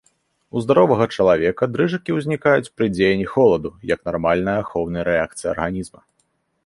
У здаровага чалавека дрыжыкі ўзнікаюць пры дзеянні холаду як нармальная ахоўная рэакцыя арганізма.